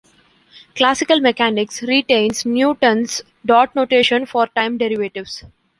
Classical mechanics retains Newton's dot notation for time derivatives.